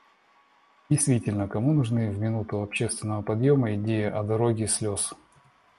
Действительно, кому нужны в минуту общественного подъёма идеи о «дороге слез».